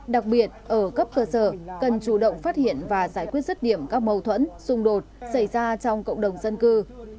đặc biệt ở cấp cơ sở cần chủ động phát hiện và giải quyết rứt điểm các mâu thuẫn xung đột xảy ra trong cộng đồng dân cư